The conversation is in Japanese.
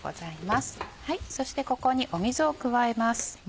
そしてここに水を加えます。